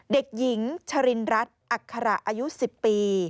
เด็กหญิงชรินรัฐอัคระอายุ๑๐ปี